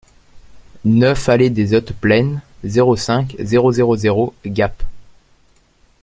neuf allée Dès Hautes Plaines, zéro cinq, zéro zéro zéro, Gap